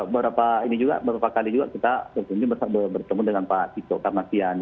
beberapa kali juga kita bersama dengan pak tito karnasian